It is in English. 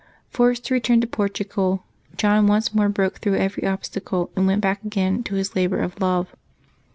Forced to return to Portugal, John once more broke through every obstacle, and went back again to his labor of love.